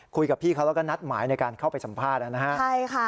คุยกับพี่เขาแล้วก็นัดหมายในการเข้าไปสัมภาษณ์นะฮะใช่ค่ะ